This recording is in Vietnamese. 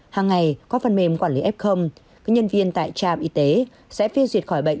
hàng ngày qua phần mềm quản lý f các nhân viên tại trạm y tế sẽ phê duyệt khỏi bệnh